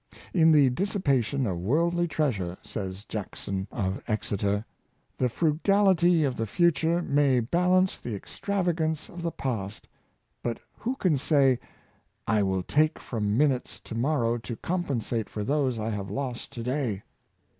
"In the dissi pation of worldly treasure," says Jackson of Exeter,. " the frugality of the future may balance the extrava gance of the past ; but who can say, ' I will take from minutes to morrow to compensate for those I have lost to day.